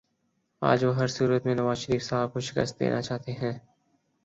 آج وہ ہر صورت میں نوازشریف صاحب کو شکست دینا چاہتے ہیں